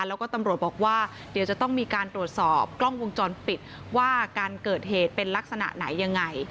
แล้วก็ตำรวจบอกว่าเดี๋ยวจะต้องมีการตรวจสอบกล้องวงจรปิดว่าการเกิดเหตุเป็นลักษณะไหนยังไง